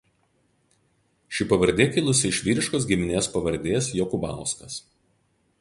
Ši pavardė kilusi iš vyriškos giminės pavardės Jokubauskas.